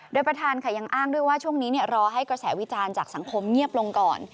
โดยประธานค่ะยังอ้างด้วยว่าช่วงนี้รอให้กระแสวิจารณ์จากสังคมเงียบลงก่อน